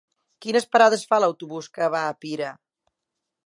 Quines parades fa l'autobús que va a Pira?